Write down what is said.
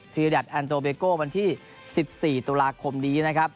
ดัทแอนโตเบโก้วันที่๑๔ตุลาคมนี้นะครับ